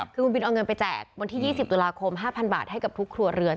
คือคุณบินเอาเงินไปแจกวันที่๒๐ตุลาคม๕๐๐บาทให้กับทุกครัวเรือน